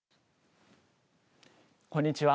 こんにちは。